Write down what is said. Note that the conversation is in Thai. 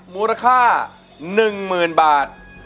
มูลค่าหนึ่งหมื่นบาท